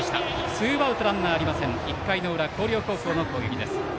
ツーアウトランナーなし１回の裏、広陵高校の攻撃。